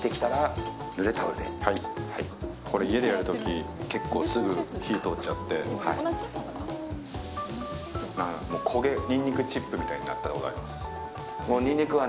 これ、家でやる時結構すぐ火が通っちゃってニンニクチップみたいになったことあります。